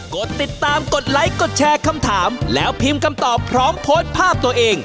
กดติดตามกดไลค์กดแชร์คำถามแล้วพิมพ์คำตอบพร้อมโพสต์ภาพตัวเอง